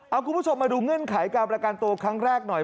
เอาคุณผู้ชมมาดูเงื่อนไขการประกันตัวครั้งแรกหน่อย